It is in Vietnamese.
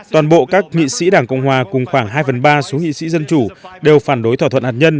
toàn bộ các nghị sĩ đảng cộng hòa cùng khoảng hai phần ba số nghị sĩ dân chủ đều phản đối thỏa thuận hạt nhân